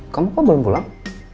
kamu kok belum pulang